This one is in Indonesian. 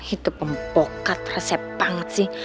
itu pempokat resep banget sih